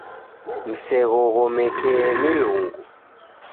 Mseghoghomekee milungu.